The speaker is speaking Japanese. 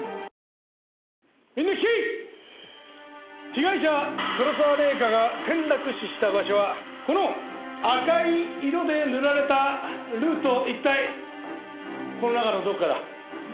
被害者黒沢玲香が転落死した場所はこの赤い色で塗られたルート一帯この中のどこかだ。